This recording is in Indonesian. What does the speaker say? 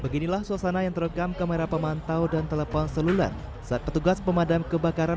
beginilah suasana yang terekam kamera pemantau dan telepon seluler saat petugas pemadam kebakaran